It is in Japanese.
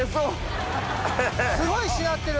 すごいしなってる。